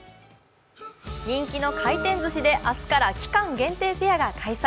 人気の回転ずしで明日から期間限定フェアを開催。